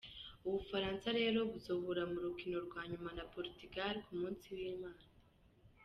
Ubufaransa rero buzohura mu rukino rwa nyuma na Portugal ku musi w'Imana.